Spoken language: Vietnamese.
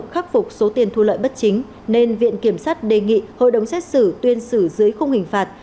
khắc phục số tiền thu lợi bất chính nên viện kiểm sát đề nghị hội đồng xét xử tuyên xử dưới khung hình phạt